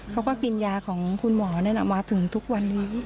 เขาก็กินยาของคุณหมอนั่นมาถึงทุกวันนี้